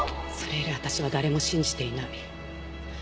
それ以来私は誰も信じていない。